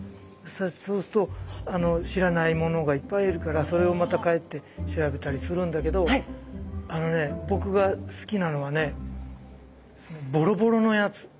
そうすると知らないものがいっぱいいるからそれをまた帰って調べたりするんだけどあのねボボロボロ？